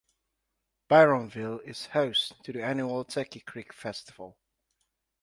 Byromville is host to the annual Turkey Creek Festival.